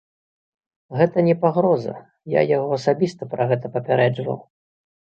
Гэта не пагроза, я яго асабіста пра гэта папярэджваў.